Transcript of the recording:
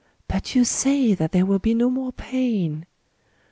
But you say that there will be no more pain